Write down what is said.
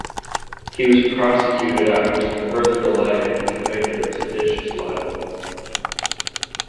He was prosecuted after some further delay and convicted of seditious libel.